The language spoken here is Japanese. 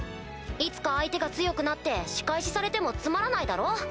いつか相手が強くなって仕返しされてもつまらないだろ？